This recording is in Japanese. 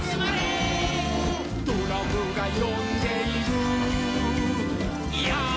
「ドラムがよんでいるヨー！」